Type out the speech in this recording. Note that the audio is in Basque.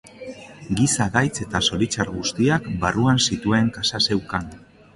Giza gaitz eta zoritxar guztiak barruan zituen kaxa zeukan.